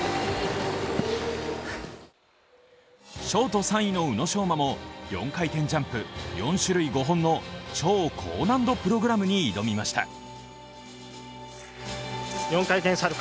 ショート３位の宇野昌磨も、４回転ジャンプ５本の４種類５本の超高難度プログラムに挑みました。